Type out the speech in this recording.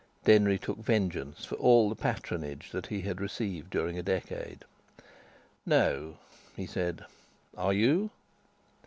Denry took vengeance for all the patronage that he had received during a decade. "No!" he said. "Are you?"